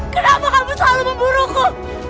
kenapa kamu selalu membunuhku